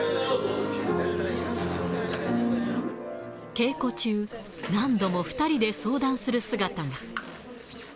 稽古中、何度も２人で相談する姿が。